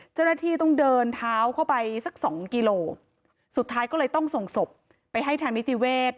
เจ้าหน้าที่ต้องเดินเท้าเข้าไปสักสองกิโลสุดท้ายก็เลยต้องส่งศพไปให้ทางนิติเวศ